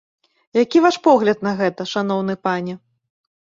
Які ваш погляд на гэта, шаноўны пане?